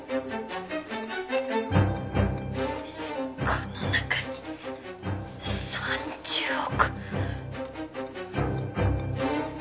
この中に３０億。